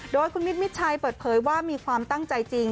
โดยคุณมิดมิดชัยเปิดเผยว่ามีความตั้งใจจริง